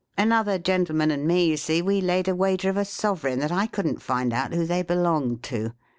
Another gen tleman and me, you see, Ave laid a wager of a sovereign, that I wouldn't find out who they belonged to.